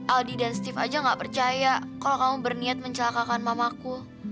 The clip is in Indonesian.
aldi dan steve aja gak percaya kalau kamu berniat mencelakakan mamaku